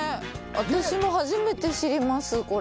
私も初めて知りますこれ。